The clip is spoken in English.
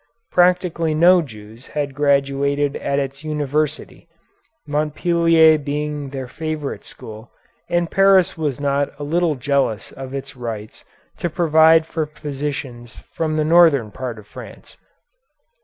Practically no Jews had graduated at its university, Montpellier being their favorite school, and Paris was not a little jealous of its rights to provide for physicians from the northern part of France.